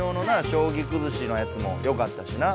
将棋くずしのやつもよかったしな。